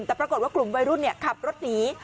แต่ปรากฏว่ากลุ่มวัยรุ่นขับรถหนี